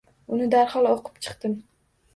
Uni darhol o’qib chiqdim